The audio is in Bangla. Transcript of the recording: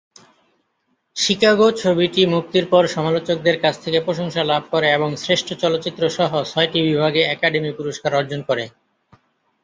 শিকাগো ছবিটি মুক্তির পর সমালোচকদের কাছ থেকে প্রশংসা লাভ করে এবং শ্রেষ্ঠ চলচ্চিত্রসহ ছয়টি বিভাগে একাডেমি পুরস্কার অর্জন করে।